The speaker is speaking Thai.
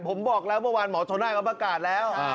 ผมบอกแล้วว่าวันหมอโทน่าวประกาศแล้ว